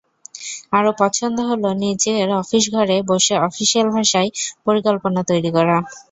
আরও পছন্দ হলো, নিজের অফিসঘরে বসে অফিশিয়াল ভাষায় পরিকল্পনা তৈরি করা।